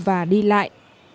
bà đi lại